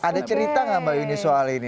ada cerita nggak mbak yuni soal ini